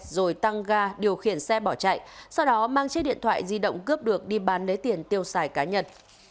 rồi tăng ga điều khiển xe bỏ chạy sau đó mang chiếc điện thoại di động cướp được đi bán lấy tiền tiêu xài cá nhân